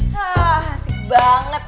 ya asyik banget